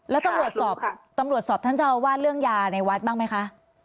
แล้วตำรวจสอบท่านเจ้าว่าเรื่องยาในวัดบ้างไหมคะ